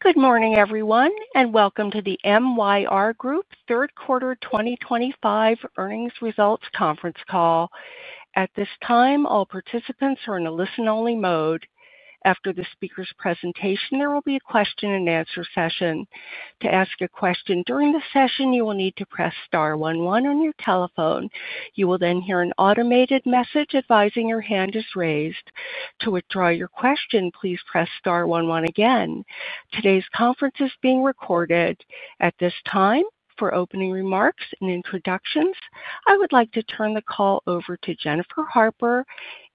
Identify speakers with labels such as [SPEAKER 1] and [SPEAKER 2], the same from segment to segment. [SPEAKER 1] Good morning everyone and welcome to the MYR Group Third Quarter 2025 earnings results conference call. At this time, all participants are in a listen-only mode. After the speaker's presentation, there will be a question and answer session. To ask a question during the session, you will need to press star one one on your telephone. You will then hear an automated message advising your hand is raised. To withdraw your question, please press star one one again. Today's conference is being recorded. At this time, for opening remarks and introductions, I would like to turn the call over to Jennifer Harper,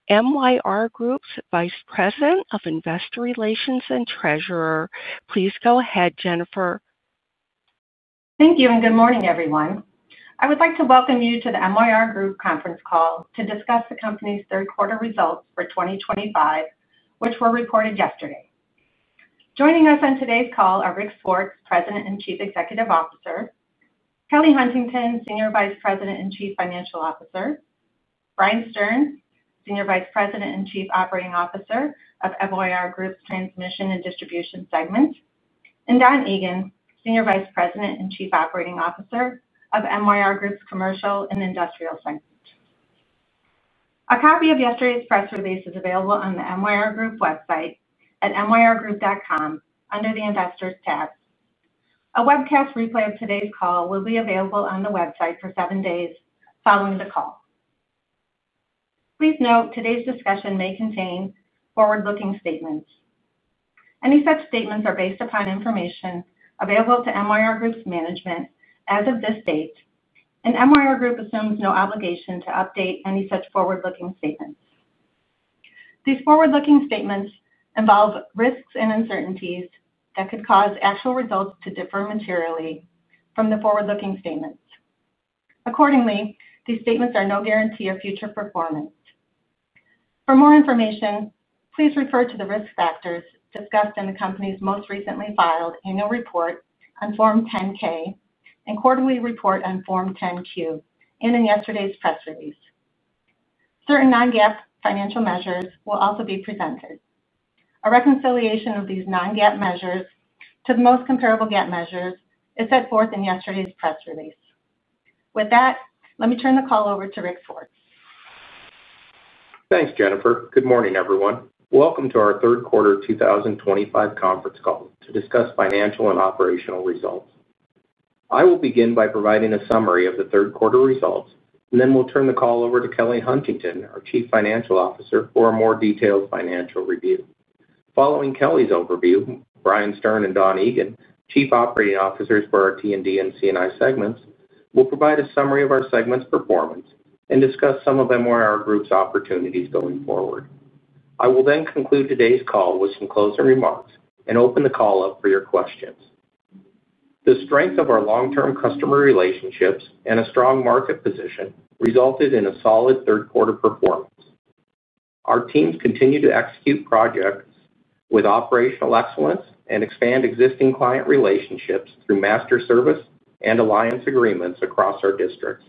[SPEAKER 1] MYR Group's Vice President of Investor Relations and Treasurer. Please go ahead, Jennifer.
[SPEAKER 2] Thank you and good morning everyone. I would like to welcome you to the MYR Group conference call to discuss the company's third quarter results for 2025 which were reported yesterday. Joining us on today's call are Rick Swartz, President and Chief Executive Officer, Kelly Huntington, Senior Vice President and Chief Financial Officer, Brian Stern, Senior Vice President and Chief Operating Officer of MYR Group's Transmission and Distribution segment, and Don Egan, Senior Vice President and Chief Operating Officer of MYR Group's Commercial and Industrial segment. A copy of yesterday's press release is available on the MYR Group website under the Investors tab. A webcast replay of today's call will be available on the website for seven days following the call. Please note, today's discussion may contain forward-looking statements. Any such statements are based upon information available to MYR Group's management as of this date and MYR Group assumes no obligation to update any such forward-looking statements. These forward-looking statements involve risks and uncertainties that could cause actual results to differ materially from the forward-looking statements. Accordingly, these statements are no guarantee of future performance. For more information, please refer to the risk factors discussed in the company's most recently filed annual report on Form 10-K and quarterly report on Form 10-Q. In yesterday's press release, certain non-GAAP financial measures will also be presented. A reconciliation of these non-GAAP measures to the most comparable GAAP measures is set forth in yesterday's press release. With that, let me turn the call over to Rick Swartz.
[SPEAKER 3] Thanks Jennifer. Good morning everyone. Welcome to our third quarter 2025 conference call to discuss financial and operational results. I will begin by providing a summary of the third quarter results, and then we'll turn the call over to Kelly Huntington, our Chief Financial Officer, for a more detailed financial review. Following Kelly's overview, Brian Stern and Don Egan, Chief Operating Officers for our T&D and C&I segments, will provide a summary of our segments' performance and discuss some of MYR Group's opportunities going forward. I will then conclude today's call with some closing remarks and open the call up for your questions. The strength of our long-term customer relationships and a strong market position resulted in a solid third quarter performance. Our teams continue to execute projects with operational excellence and expand existing client relationships through Master Service and Alliance Agreements across our districts.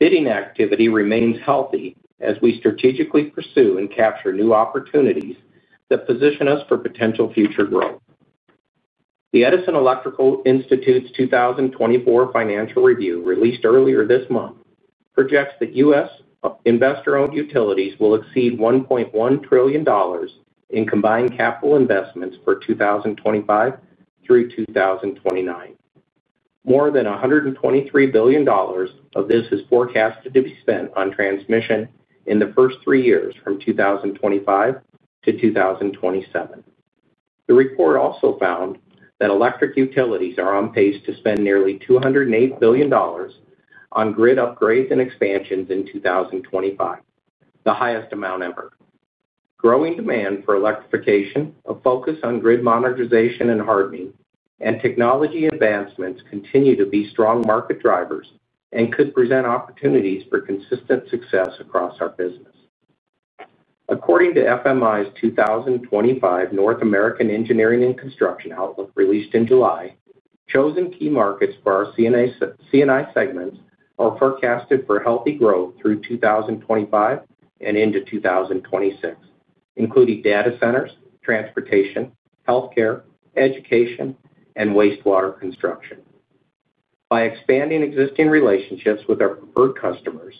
[SPEAKER 3] Bidding activity remains healthy as we strategically pursue and capture new opportunities that position us for potential future growth. The Edison Electric Institute's 2024 Financial Review, released earlier this month, projects that U.S. investor-owned utilities will exceed $1.1 trillion in combined capital investments for 2025 through 2029. More than $123 billion of this is forecasted to be spent on transmission in the first three years from 2025 to 2027. The report also found that electric utilities are on pace to spend nearly $208 billion on grid upgrades and expansions in 2025, the highest amount ever. Growing demand for electrification, a focus on grid modernization and hardening, and technology advancements continue to be strong market drivers and could present opportunities for consistent success across our business. According to FMI's 2025 North American Engineering and Construction Outlook released in July, chosen key markets for our C&I segments are forecasted for healthy growth through 2025 and into 2026, including data centers, transportation, healthcare, education, and wastewater construction. By expanding existing relationships with our preferred customers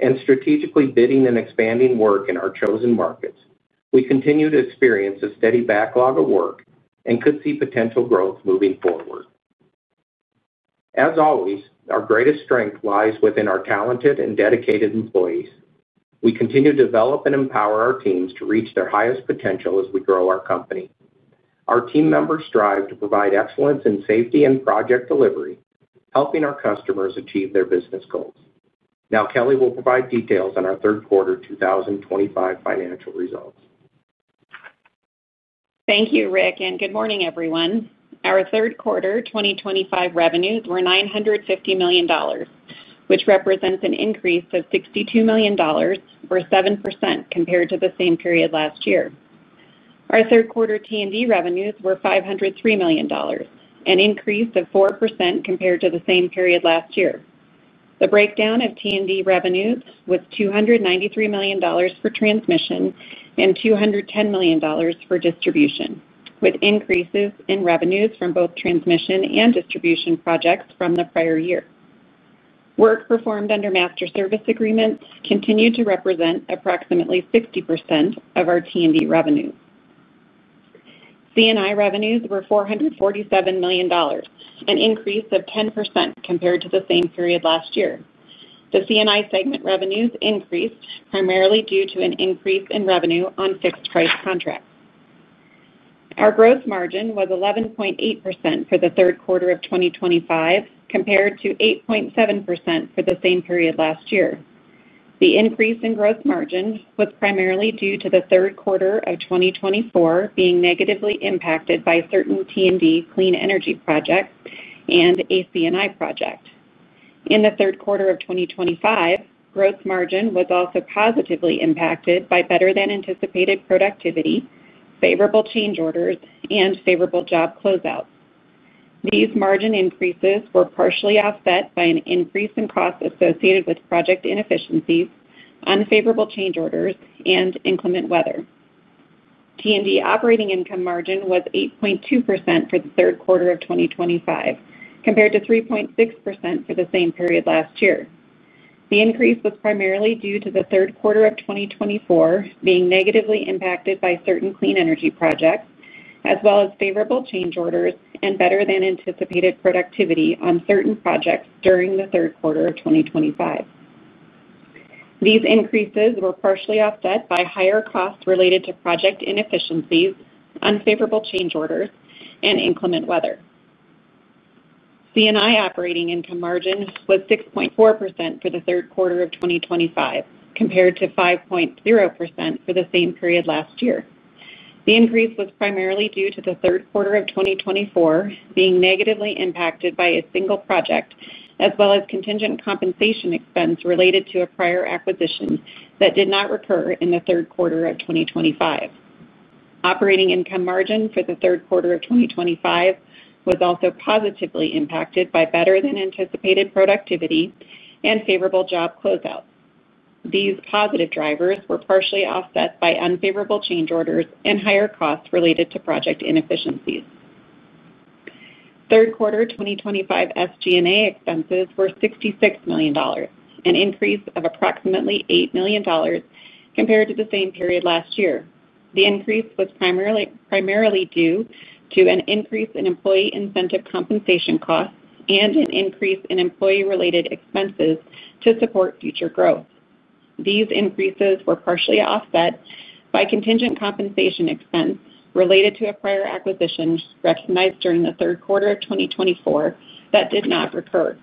[SPEAKER 3] and strategically bidding and expanding work in our chosen markets, we continue to experience a steady backlog of work and could see potential growth moving forward. As always, our greatest strength lies within our talented and dedicated employees. We continue to develop and empower our teams to reach their highest potential. As we grow our company, our team members strive to provide excellence in safety and project delivery, helping our customers achieve their business goals. Now Kelly will provide details on our third quarter 2025 financial results.
[SPEAKER 4] Thank you Rick and good morning everyone. Our third quarter 2025 revenues were $950 million, which represents an increase of $62 million or 7% compared to the same period last year. Our third quarter T&D revenues were $503 million, an increase of 4% compared to the same period last year. The breakdown of T&D revenues was $293 million for transmission and $210 million for distribution, with increases in revenues from both transmission and distribution projects from the prior year. Work performed under Master Service Agreements continued to represent approximately 60% of our T&D revenues. C&I revenues were $447 million, an increase of 10% compared to the same period last year. The C&I segment revenues increased primarily due to an increase in revenue on Fixed Price Contracts. Our gross margin was 11.8% for the third quarter of 2025 compared to 8.7% for the same period last year. The increase in gross margin was primarily due to the third quarter of 2024 being negatively impacted by certain T&D clean energy projects and a C&I project in the third quarter of 2025. Gross margin was also positively impacted by better than anticipated productivity, favorable change orders, and favorable job closeouts. These margin increases were partially offset by an increase in costs associated with project inefficiencies, unfavorable change orders, and inclement weather. T&D operating income margin was 8.2% for the third quarter of 2025 compared to 3.6% for the same period last year. The increase was primarily due to the third quarter of 2024 being negatively impacted by certain clean energy projects as well as favorable change orders and better than anticipated productivity on certain projects targeted during the third quarter of 2025. These increases were partially offset by higher costs related to project inefficiencies, unfavorable change orders, and inclement weather. C&I operating income margin was 6.4% for the third quarter of 2025 compared to 5.0% for the same period last year. The increase was primarily due to the third quarter of 2024 being negatively impacted by a single project as well as contingent compensation expense related to a prior acquisition that did not recur in the third quarter of 2025. Operating income margin for the third quarter of 2025 was also positively impacted by better than anticipated productivity and favorable job closeout. These positive drivers were partially offset by unfavorable change orders and higher costs related to project inefficiencies. Third quarter 2025 SG&A expenses were $66 million, an increase of approximately $8 million compared to the same period last year. The increase was primarily due to an increase in employee incentive compensation costs and an increase in employee related expenses to support future growth. These increases were partially offset by contingent compensation expense related to a prior acquisition recognized during the third quarter of 2024 that did not recur.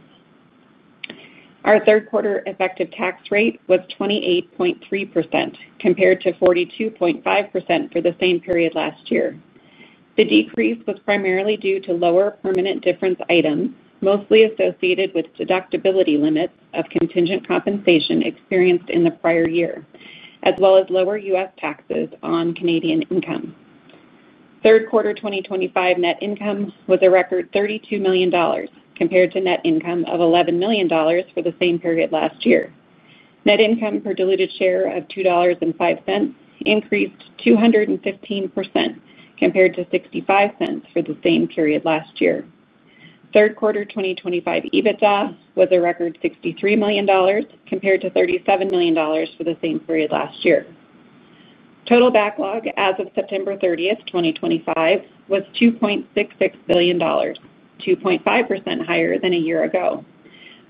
[SPEAKER 4] Our third quarter effective tax rate was 28.3% compared to 42.5% for the same period last year. The decrease was primarily due to lower permanent difference items mostly associated with deductibility limits of contingent compensation experienced in the prior year as well as lower U.S. taxes on Canadian income. Third quarter 2025 net income was a record $32 million compared to net income of $11 million for the same period last year. Net income per diluted share of $2.05 increased 215% compared to $0.65 for the same period last year. Third quarter 2025 EBITDA was a record $63 million compared to $37 million for the same period last year. Total backlog as of September 30, 2025 was $2.66 billion, 2.5% higher than a year ago.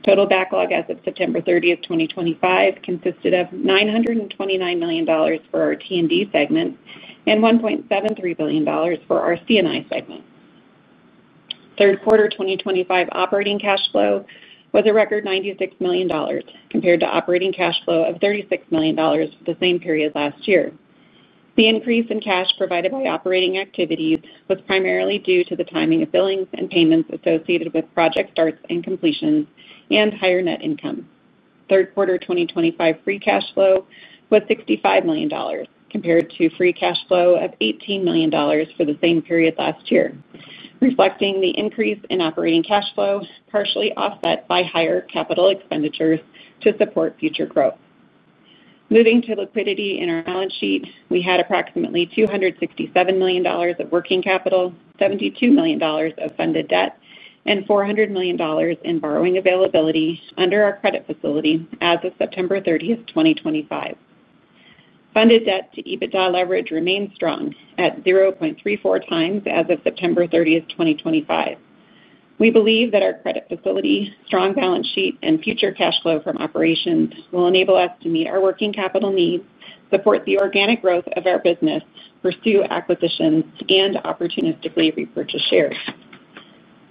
[SPEAKER 4] Total backlog as of September 30th, 2025 consisted of $929 million for our T&D segment and $1.73 billion for our C&I segment. Third quarter 2025 operating cash flow was a record $96 million compared to operating cash flow of $36 million for the same period last year. The increase in cash provided by operating activities was primarily due to the timing of billings and payments associated with project starts and completions and higher net income. Third quarter 2025 free cash flow was $65 million compared to free cash flow of $18 million for the same period last year, reflecting the increase in operating cash flow partially offset by higher capital expenditures to support future growth. Moving to liquidity in our balance sheet, we had approximately $267 million of working capital, $72 million of funded debt and $400 million in borrowing availability under our credit facility as of September 30, 2025. Funded debt to EBITDA leverage remains strong at 0.34x as of September 30, 2025. We believe that our credit facility, strong balance sheet, and future cash flow from operations will enable us to meet our working capital needs, support the organic growth of our business, pursue acquisitions, and opportunistically repurchase shares.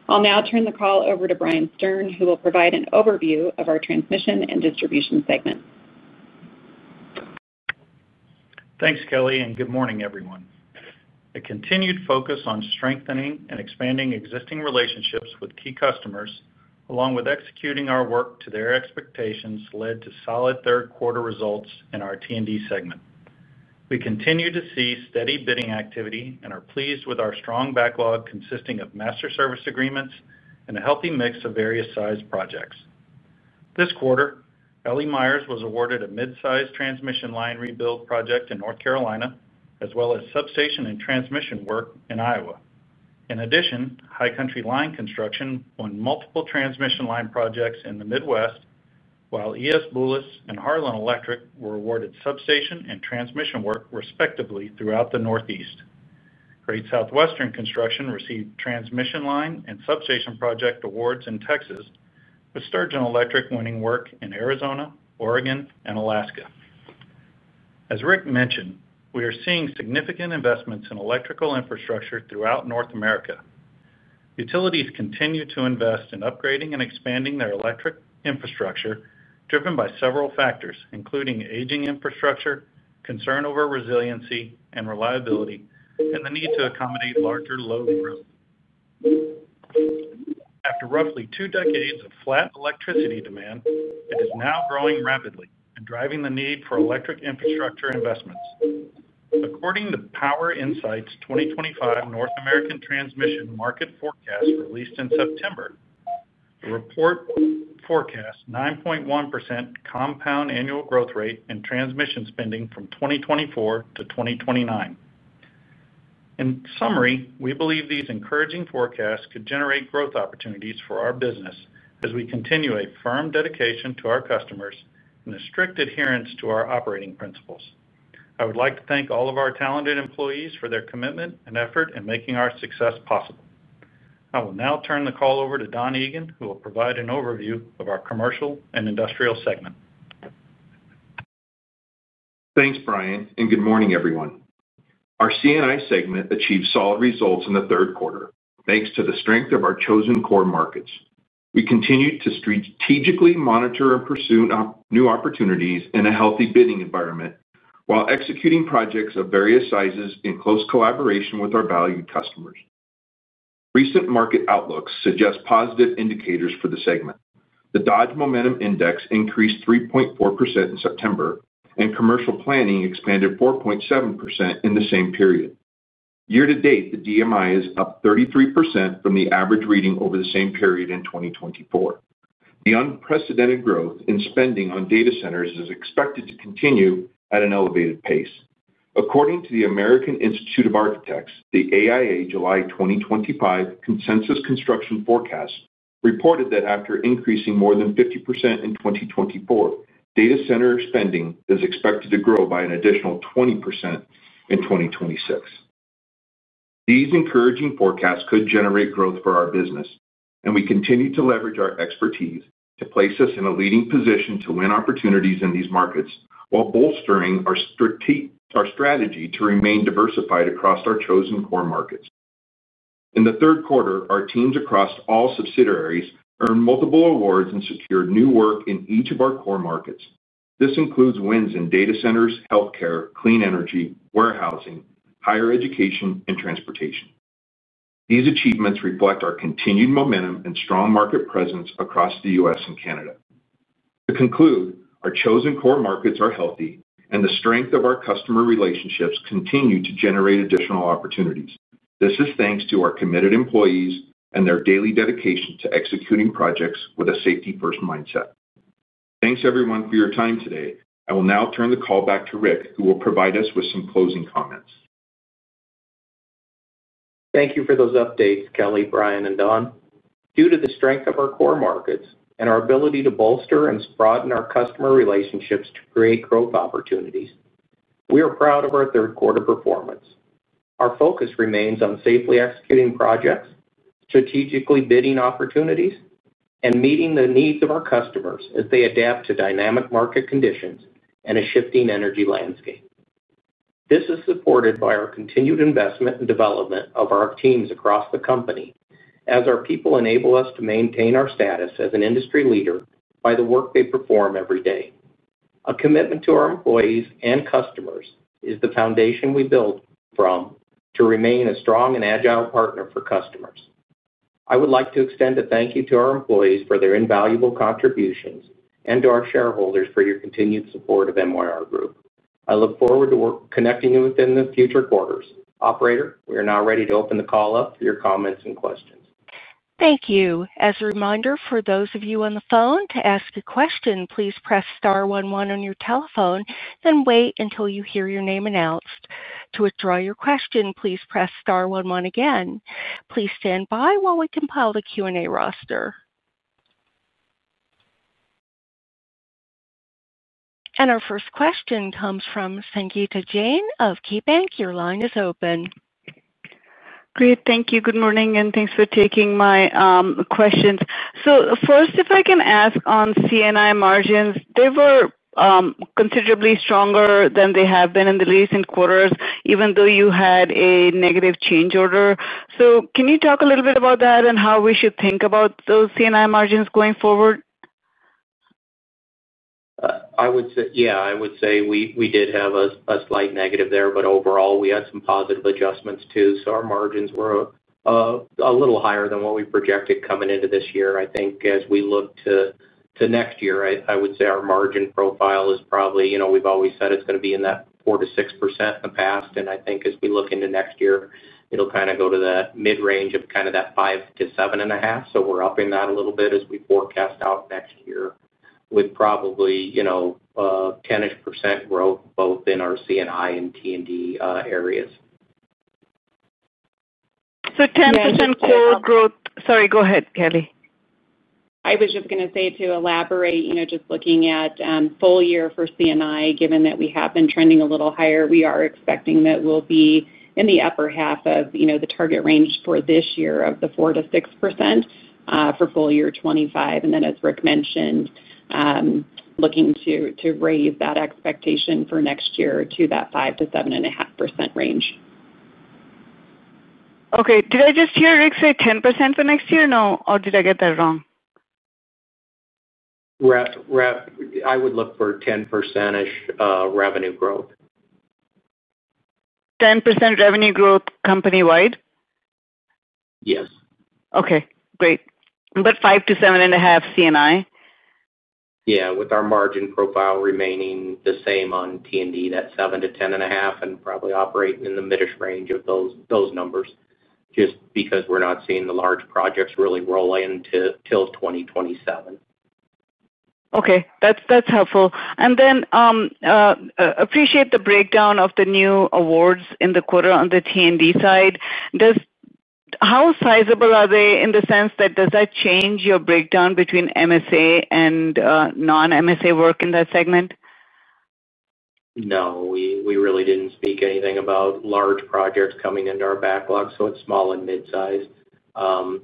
[SPEAKER 4] I'll now turn the call over to Brian Stern, who will provide an overview of our Transmission and Distribution segments.
[SPEAKER 5] Thanks Kelly and good morning everyone. A continued focus on strengthening and expanding existing relationships with key customers, along with executing our work to their expectations, led to solid third quarter results in our T&D segment. We continue to see steady bidding activity and are pleased with our strong backlog consisting of Master Service Agreements and a healthy mix of various size projects. This quarter. L.E. Myers was awarded a mid-sized transmission line rebuild project in North Carolina as well as substation and transmission work in Iowa. In addition, High Country Line Construction won multiple transmission line projects in the Midwest, while E.S. Boulos and Harlan Electric were awarded substation and transmission work, respectively, throughout the Northeast. Great Southwestern Construction received transmission line and substation project awards in Texas, with Sturgeon Electric winning work in Arizona, Oregon, and Alaska. As Rick mentioned, we are seeing significant investments in electrical infrastructure throughout North America. Utilities continue to invest in upgrading and expanding their electric infrastructure, driven by several factors including aging infrastructure, concern over resiliency and reliability, and the need to accommodate larger load growth. After roughly two decades of flat electricity demand, it is now growing rapidly and driving the need for electric infrastructure investments, according to Power Insights 2025 North American Transmission Market Forecast released in September. The report forecasts 9.1% compound annual growth rate in transmission spending from 2024 to 2029. In summary, we believe these encouraging forecasts could generate growth opportunities for our business as we continue a firm dedication to our customers and a strict adherence to our operating principles. I would like to thank all of our talented employees for their commitment and effort in making our success possible. I will now turn the call over to Don Egan who will provide an overview of our Commercial and Industrial segment.
[SPEAKER 6] Thanks Brian and good morning everyone. Our C&I segment achieved solid results in the third quarter thanks to the strength of our chosen core markets. We continue to strategically monitor and pursue new opportunities in a healthy bidding environment while executing projects of various sizes in close collaboration with our valued customers. Recent market outlooks suggest positive indicators for the segment. The Dodge Momentum Index increased 3.4% in September and commercial planning expanded 4.7% in the same period. Year to date, the DMI is up 33% from the average reading over the same period in 2024. The unprecedented growth in spending on data centers is expected to continue at an elevated pace, according to the American Institute of Architects. The AIA July 2025 Consensus Construction Forecast reported that after increasing more than 50% in 2024, data center spending is expected to grow by an additional 20% in 2026. These encouraging forecasts could generate growth for our business and we continue to leverage our expertise to place us in a leading position to win opportunities in these markets while bolstering our strategy to remain diversified across our chosen core markets. In the third quarter, our teams across all subsidiaries earned multiple awards and secured new work in each of our core markets. This includes wins in data centers, healthcare, clean energy, warehousing, higher education, and transportation. These achievements reflect our continued momentum and strong market presence across the U.S. and Canada. To conclude, our chosen core markets are healthy and the strength of our customer relationships continue to generate additional opportunities. This is thanks to our committed employees and their daily dedication to executing projects with a safety-first mindset. Thanks everyone for your time today. I will now turn the call back to Rick who will provide us with some closing comments.
[SPEAKER 3] Thank you for those updates, Kelly, Brian, and Don. Due to the strength of our core markets and our ability to bolster and broaden our customer relationships to create growth opportunities, we are proud of our third quarter performance. Our focus remains on safely executing projects, strategically bidding opportunities, and meeting the needs of our customers as they adapt to dynamic market conditions and a shifting energy landscape. This is supported by our continued investment and development of our teams across the company, as our people enable us to maintain our status as an industry leader by the work they perform every day. A commitment to our employees and customers is the foundation we build from to remain a strong and agile partner for customers. I would like to extend a thank you to our employees for their invaluable contributions and to our shareholders for your continued support of MYR Group. I look forward to connecting with you in the future quarters. Operator, we are now ready to open the call up for your comments and questions.
[SPEAKER 1] Thank you. As a reminder, for those of you on the phone to ask a question, please press star one one on your telephone, then wait until you hear your name announced. To withdraw your question, please press star one one again. Please stand by while we compile the Q&A roster. Our first question comes from Sangita Jain of KeyBanc. Your line is open.
[SPEAKER 7] Great, thank you. Good morning and thanks for taking my questions. First, if I can ask on C&I margins, they were considerably stronger than they have been in the recent quarters even though you had a negative change order. Can you talk a little bit about that and how we should think about those C&I margins going forward?
[SPEAKER 3] Yeah, I would say we did have a slight negative there, but overall we had some positive adjustments too. Our margins were a little higher than what we projected coming into this year. I think as we look to next year, I would say our margin profile is probably, you know, we've always said it's going to be in that 4%-6% in the past. I think as we look into next year it'll kind of go to the mid range of kind of that 5%-7.5%. We're upping that a little bit as we forecast out next year with probably, you know, 10% growth both in our C&I and T&D areas.
[SPEAKER 7] 10% core growth. Sorry, go ahead Kelly.
[SPEAKER 4] I was just going to say to elaborate, just looking at full year for C&I, given that we have been trending a little higher, we are expecting that we'll be in the upper half of the target range for this year of the 4%-6% for full year 2025. As Rick mentioned, looking to raise that expectation for next year to that 5%-7.5% range.
[SPEAKER 7] Okay, did I just hear Rick say 10% for next year? No. Did I get that wrong?
[SPEAKER 3] I would look for 10%ish revenue growth.
[SPEAKER 7] 10% revenue growth company-wide.
[SPEAKER 3] Yes,
[SPEAKER 7] okay, great. 5%-7.5%. C&I.
[SPEAKER 3] Yeah. With our margin profile remaining the same on T&D, that 7%-10.5% and probably operating in the middish range of those numbers just because we're not seeing the large projects really roll in until 2027.
[SPEAKER 7] Okay, that's helpful. I appreciate the breakdown of the new awards in the quarter on the T&D side. How sizable are they in the sense that does that change your breakdown between MSA and non-MSA work in that segment?
[SPEAKER 3] No, we really didn't speak anything about large projects coming into our backlog. It's small and mid-sized,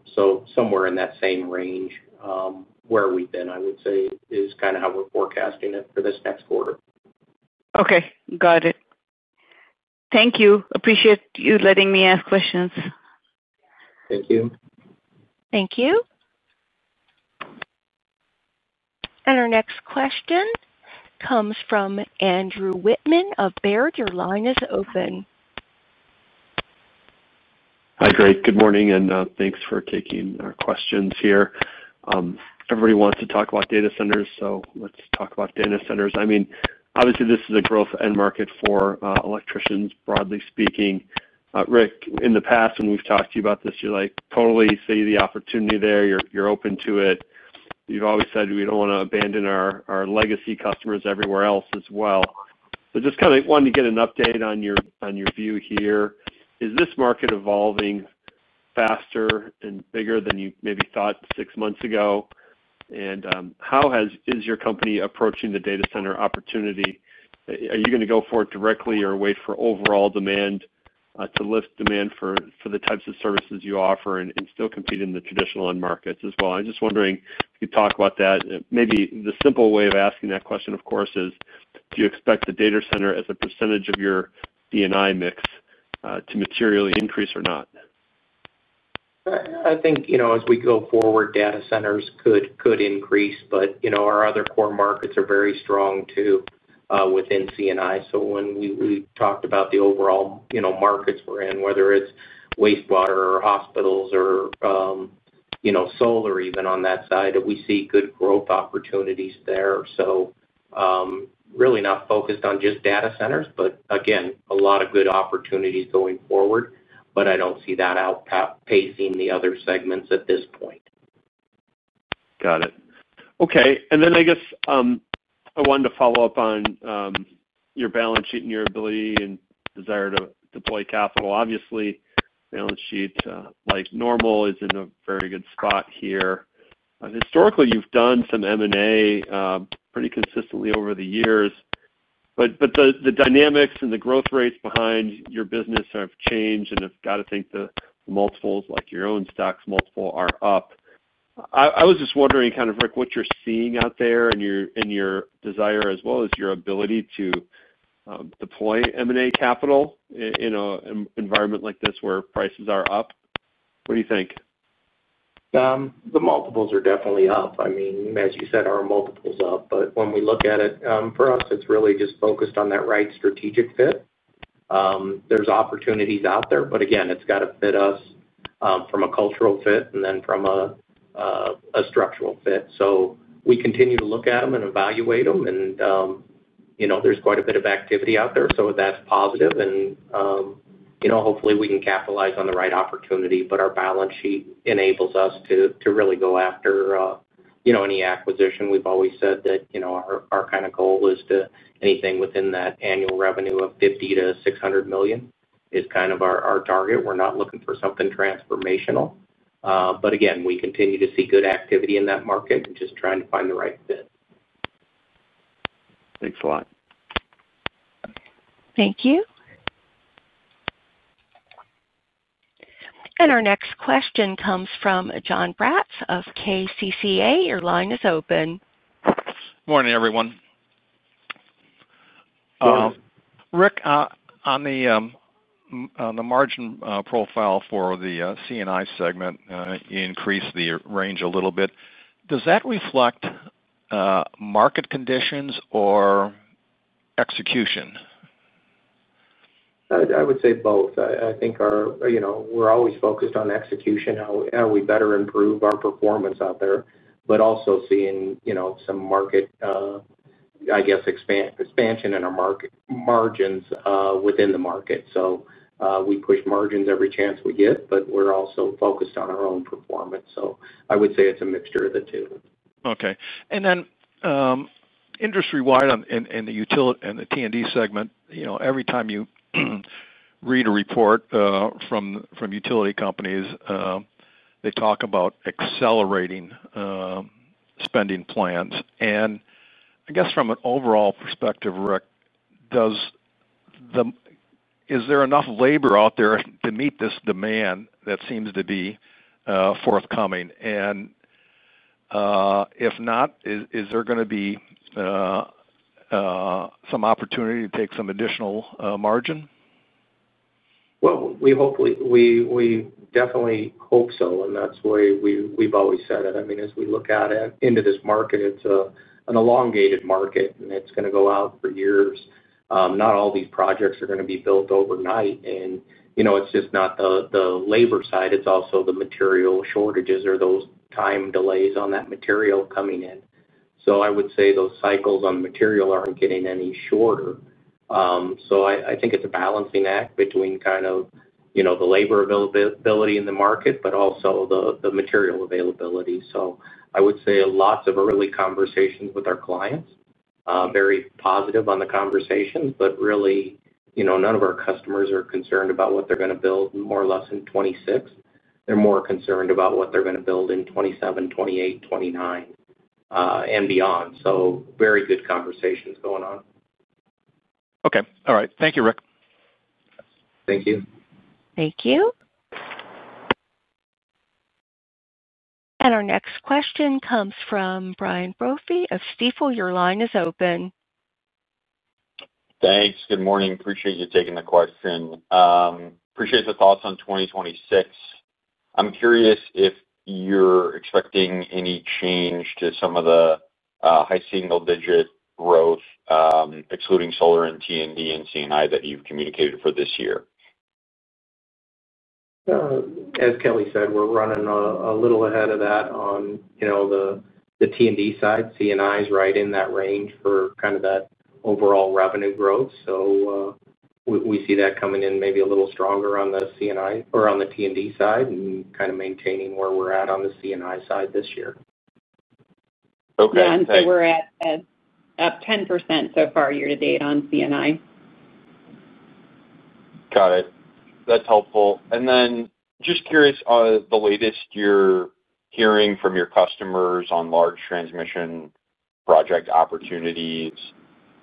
[SPEAKER 3] so somewhere in that same range where we've been. I would say is kind of how we're forecasting it for this next quarter.
[SPEAKER 7] Okay, got it. Thank you. Appreciate you letting me ask questions.
[SPEAKER 3] Thank you.
[SPEAKER 1] Thank you. Our next question comes from Andrew Whitman of Baird. Your line is open.
[SPEAKER 8] Hi. Great. Good morning and thanks for taking our questions here. Everybody wants to talk about data centers, so let's talk about data centers. I mean, obviously this is a growth end market for electricians, broadly speaking. Rick, in the past when we've talked to you about this, you're like totally see the opportunity there. You're open to it. You've always said we don't want to abandon our legacy customers everywhere else as well. Just kind of wanted to get an update on your view here. Is this market evolving faster and bigger than you maybe thought six months ago? How is your company approaching the data center opportunity? Are you going to go for it directly or wait for overall demand to lift demand for the types of services you offer and still compete in the traditional end markets as well? I'm just wondering, talk about that maybe. The simple way of asking that question, of course, is do you expect the data center as a percentage of your C&I mix to materially increase or not?
[SPEAKER 3] I think as we go forward, data centers could increase, but our other core markets are very strong too within C&I. When we talked about the overall markets we're in, whether it's wastewater or hospitals or, you know, solar, even on that side, we see good growth opportunities there. We're really not focused on just data centers, but again, a lot of good opportunities going forward. I don't see that outpacing the other segments at this point.
[SPEAKER 8] Got it. Okay. I wanted to follow up on your balance sheet and your ability and desire to deploy capital. Obviously, balance sheet, like normal, is in a very good spot here. Historically, you've done some M&A pretty consistently over the years, but the dynamics and the growth rates behind your business have changed. I've got to think the multiples, like your own stock's multiple, are up. I was just wondering, Rick, what you're seeing out there in your desire as well as your ability to deploy M&A capital in an environment like this where prices are up. What do you think?
[SPEAKER 3] The multiples are definitely up. I mean, as you said, our multiples are up. When we look at it for us, it's really just focused on that right strategic fit. There are opportunities out there, but again, it's got to fit us from a cultural fit and then from a structural fit. We continue to look at them and evaluate them, and there's quite a bit of activity out there. That's positive. Hopefully we can capitalize on the right opportunity. Our balance sheet enables us to really go after any acquisition. We've always said that our kind of goal is anything within that annual revenue of $50 million-$600 million is kind of our target. We're not looking for something transformational, but again, we continue to see good activity in that market and just trying to find the right fit.
[SPEAKER 8] Thanks a lot.
[SPEAKER 1] Thank you. Our next question comes from Jon Braatz of KCCA. Your line is open.
[SPEAKER 9] Morning, everyone. Rick, on the margin profile for. The C&I segment increased the range a little bit. Does that reflect market conditions or execution?
[SPEAKER 3] I would say both. I think we're always focused on execution, how we better improve our performance out there, but also seeing some market, I guess, expansion in our market, margins within the market. We push margins every chance we get, but we're also focused on our own performance. I would say it's a mixture of the two.
[SPEAKER 9] Okay. Industry wide in the utility. The T&D segment, you know, every time you read a report. From utility companies, they talk about accelerating spending plans. From an overall perspective, Rick, does is there enough labor out there to meet this demand that seems to be forthcoming? If not, is there going to. Be.Some opportunity to take some additional margin?
[SPEAKER 3] We definitely hope so. That's the way we've always said it. I mean, as we look at it into this market, it's an elongated market and it's going to go out for years. Not all these projects are going to be built overnight. You know, it's just not the labor side. It's also the material shortages or those time delays on that material coming in. I would say those cycles on material aren't getting any shorter. I think it's a balancing act between kind of, you know, the labor availability in the market, but also the material availability. I would say lots of early conversations with our clients. Very positive on the conversations. Really none of our customers are concerned about what they're going to build more or less in 2026. They're more concerned about what they're going to build in 2027, 2028, 2029 and beyond. Very good conversations going on.
[SPEAKER 9] Okay. All right. Thank you, Rick.
[SPEAKER 3] Thank you.
[SPEAKER 1] Thank you. Our next question comes from Brian Brophy of Stifel. Your line is open.
[SPEAKER 10] Thanks. Good morning. Appreciate you taking the question. Appreciate the thoughts on 2026. I'm curious if you're expecting any change to some of the high single digit growth, excluding solar and T&D and C&I that you've communicated for this year.
[SPEAKER 3] As Kelly said, we're running a little ahead of that on the T&D side. C&I is right in that range for kind of that overall revenue growth. We see that coming in maybe a little stronger on the C&I or on the T&D side and kind of maintaining where we're at on the C&I side this year. Okay.
[SPEAKER 4] We're at up 10% so far year to date on C&I.
[SPEAKER 10] Got it. That's helpful. I am just curious, the latest you're hearing from your customers on large transmission project opportunities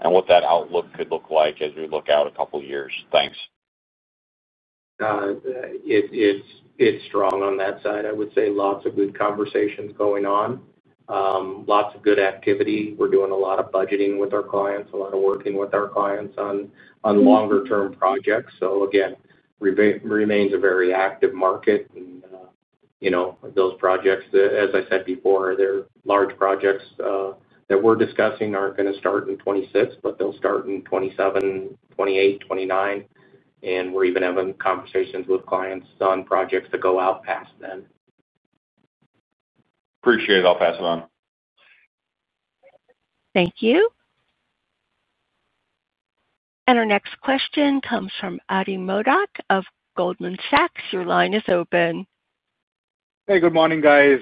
[SPEAKER 10] and what that outlook could be. As we look out a couple years. Thanks.
[SPEAKER 3] It's strong on that side, I would say. Lots of good conversations going on, lots of good activity. We're doing a lot of budgeting with our clients, a lot of working with our clients on longer term projects. It remains a very active market. Those projects, as I said before, their large projects that we're discussing aren't going to start in 2026, but they'll start in 2027, 2028, 2029, and we're even having conversations with clients on projects that go out past then.
[SPEAKER 10] Appreciate it. I'll pass it on.
[SPEAKER 1] Thank you. Our next question comes from Atidrip Modak of Goldman Sachs. Your line is open.
[SPEAKER 11] Hey, good morning guys.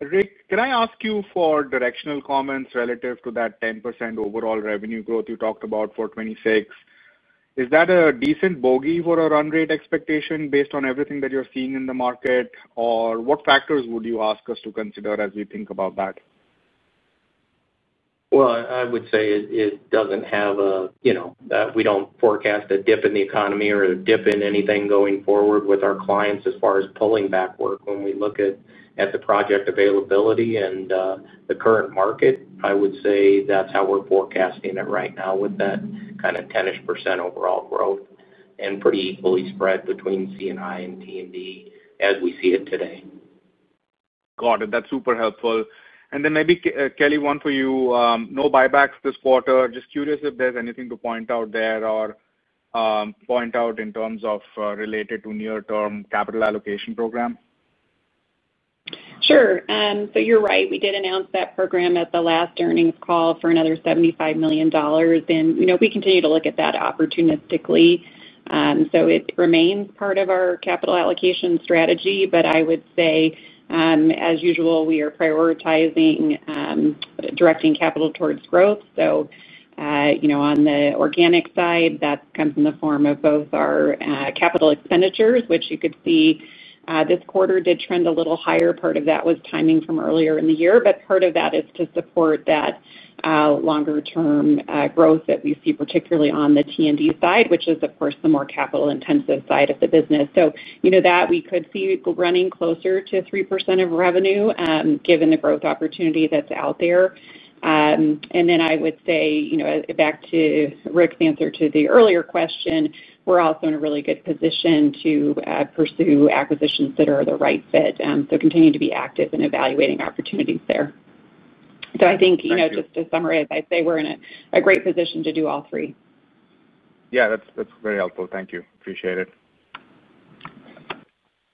[SPEAKER 11] Rick, can I ask you for directional comments relative to that 10% overall revenue growth you talked about for 2026? Is that a decent bogey for a run rate expectation based on everything that you're seeing in the market, or what factors would you ask us to consider as we think about that?
[SPEAKER 3] I would say it doesn't have, you know, we don't forecast a dip in the economy or a dip in anything going forward with our clients as far as pulling back work. When we look at the project availability and the current market, I would say that's how we're forecasting it right now with that kind of 10% overall growth and pretty equally spread between C&I and T&D as we see it today.
[SPEAKER 11] Got it. That's super helpful. Maybe Kelly, one for you. No buybacks this quarter. Just curious if there's anything to point out there or point out in terms of related to near term capital allocation program.
[SPEAKER 4] Sure. You're right, we did announce that program at the last earnings call for another $75 million and we continue to look at that opportunistically. It remains part of our capital allocation strategy. I would say as usual, we are prioritizing directing capital towards growth. On the organic side that comes in the form of both our capital expenditures, which you could see this quarter did trend a little higher. Part of that was timing from earlier in the year, and part of that is to support that longer term growth that we see particularly on the T&D side, which is of course the more capital intensive side of the business. We could see that running closer to 3% of revenue given the growth opportunity that's out there. I would say, back to Rick's answer to the earlier question, we're also in a really good position to pursue acquisitions that are the right fit. We continue to be active in evaluating opportunities there. I think, just to summarize, as I say, we're in a great position to do all three.
[SPEAKER 11] Yeah, that's very helpful. Thank you. Appreciate it.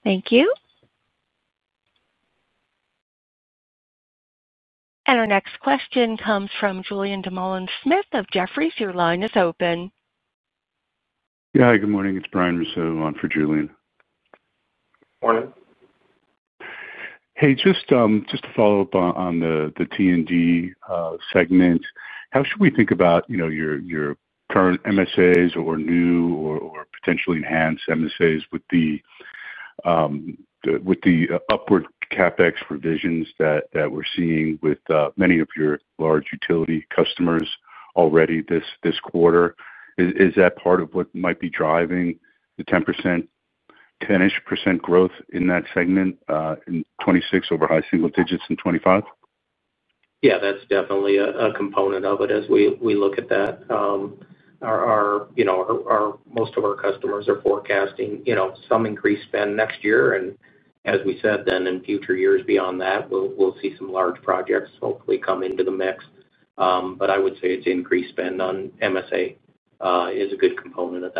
[SPEAKER 1] Thank you. Our next question comes from Julien Dumoulin-Smith of Jefferies. Your line is open.
[SPEAKER 12] Yeah, good morning, it's Brian Russo on for Julian.
[SPEAKER 3] Morning.
[SPEAKER 12] Hey, just to follow up on the T&D segment, how should we think about, you know, your current MSAs or new or potentially enhanced MSAs with the upward CapEx revisions that we're seeing with many of your large utility customers already this quarter? Is that part of what might be driving the 10%, 10%ish growth in that segment in 2026 over high single digits in 2025?
[SPEAKER 3] Yeah, that's definitely a component of it as we look at that. Most of. Our customers are forecasting some increased spend next year, and as we said, then in future years beyond that, we'll see some large projects hopefully come into the mix. I would say it's increased spend on MSA is a good component of.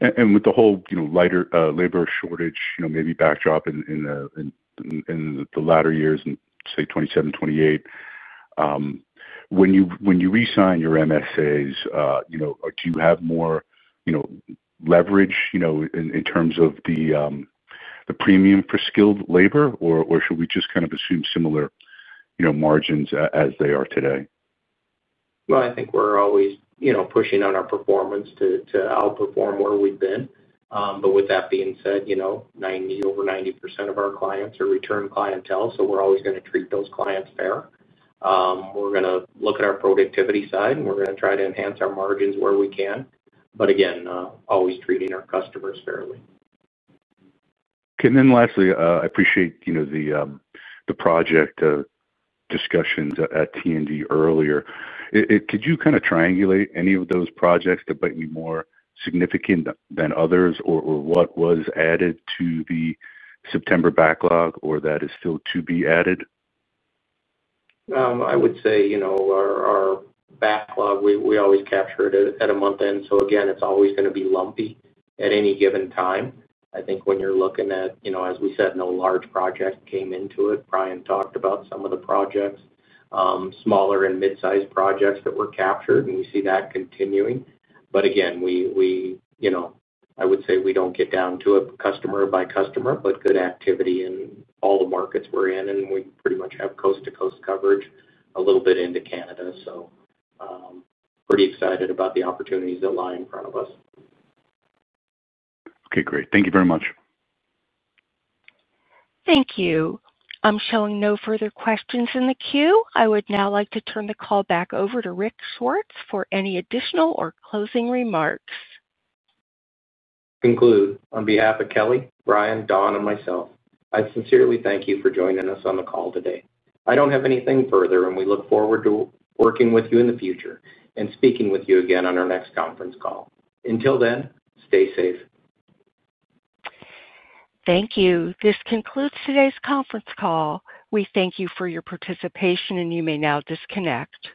[SPEAKER 12] With the whole lighter labor shortage backdrop in the latter years, say 2027, 2028, when you re-sign your MSAs, do you have more leverage in terms of the premium for skilled labor, or should we just kind of assume similar margins as they are today?
[SPEAKER 3] I think we're always, you know, pushing on our performance to outperform where we've been. With that being said, you know, over 90% of our clients are return clientele. We're always going to treat those clients fair. We're going to look at our productivity side and we're going to try to enhance our margins where we can, again, always treating our customers fairly.
[SPEAKER 12] I appreciate, you know, the project discussions at T&D earlier. Could you kind of triangulate any of those projects that might be more significant than others or what was added to the September backlog or that is still to be added?
[SPEAKER 3] I would say our backlog, we always capture it at a month end. Again, it's always going to be lumpy at any given time. I think when you're looking at, as we said, no large project came into it. Brian talked about some of the projects, smaller and mid sized projects that were captured, and we see that continuing. I would say we don't get down to it customer by customer, but good activity in all the markets we're in, and we pretty much have coast to coast coverage, a little bit into Canada. Pretty excited about the opportunities that lie in front of us.
[SPEAKER 10] Okay, great. Thank you very much.
[SPEAKER 1] I'm showing no further questions in the queue. I would now like to turn the call back over to Rick Swartz for any additional or closing remarks.
[SPEAKER 3] Conclude. On behalf of Kelly, Brian, Don and myself, I sincerely thank you for joining us on the call today. I don't have anything further, and we look forward to working with you in the future and speaking with you again on our next conference call. Until then, stay safe.
[SPEAKER 1] Thank you. This concludes today's conference call. We thank you for your participation, and you may now disconnect.